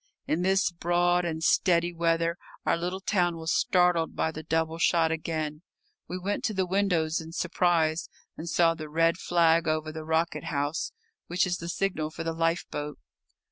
In this broad and steady weather our little town was startled by the double shot again. We went to the windows in surprise, and saw the red flag over the rocket house, which is the signal for the lifeboat.